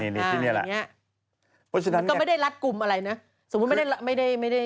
ไม่ได้ใช่ไหมที่นี่แหละอย่างนี้มันก็ไม่ได้รัดกลุ่มอะไรนะสมมุติไม่ได้